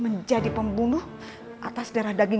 selama ber gateotti